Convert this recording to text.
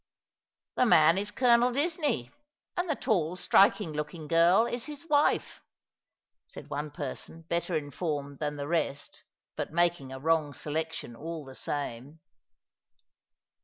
" The man is Colonel Disney, and the tall, striking looking girl is his wife," said one person better informed than tha rest, but making a wrong selection all the same.